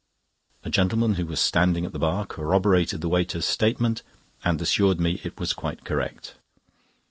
A gentleman who was standing at the bar corroborated the waiter's statement, and assured me it was quite correct.